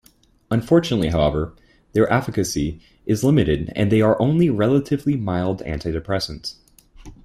Unfortunately, however, their efficacy is limited and they are only relatively mild antidepressants.